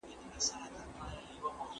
د پېښې د لیدونکو خبري د پولیسو لخوا راټولیږي.